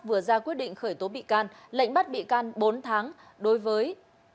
vừa ra quyết định khởi tố bị can lệnh bắt bị can bốn tháng đối với